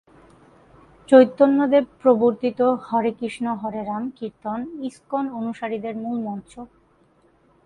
চৈতন্যদেব প্রবর্তিত ‘হরে কৃষ্ণ হরে রাম’ কীর্তন ইসকন অনুসারীদের মূল মন্ত্র।